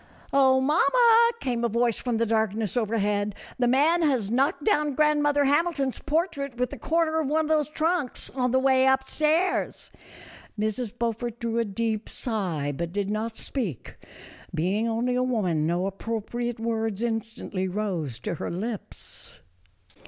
"Oh, mamma," came a voice from the darkness overhead, "the man has knocked down grand mother Hamilton's portrait with the corner of one of those trunks, on the way up stairs." Mrs. Beaufort drew a deep sigh, but did not speak ; being only a woman no appropriate words instantly rose to her lips.